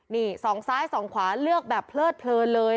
นี่สองซ้ายสองขวาเลือกแบบเพลิดเพลินเลย